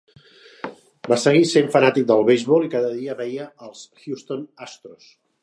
Va seguir sent fanàtic del beisbol i cada dia veia els Houston Astros.